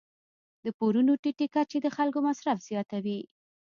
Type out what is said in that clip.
د پورونو ټیټې کچې د خلکو مصرف زیاتوي.